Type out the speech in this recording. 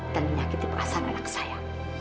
dan menyakiti perasaan anak saya